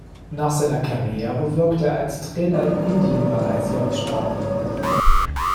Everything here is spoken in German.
Nach seiner Karriere wirkte er als Trainer in Indien, Malaysia und Spanien.